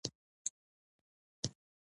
داسې جفاوې یې راسره وکړې.